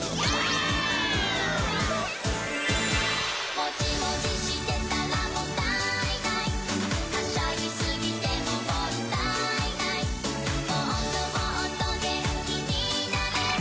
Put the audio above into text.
「もじもじしてたらもったいない」「はしゃぎすぎてももんだいない」「もっともっと元気になぁれ」